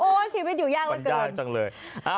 โอ๊ยชีวิตอยู่ยากแล้วเกินวันยากจังเลย